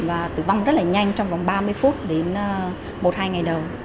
và tử vong rất là nhanh trong vòng ba mươi phút đến một hai ngày đầu